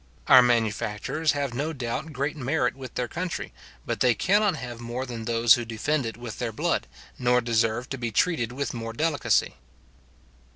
Our manufacturers have no doubt great merit with their country, but they cannot have more than those who defend it with their blood, nor deserve to be treated with more delicacy.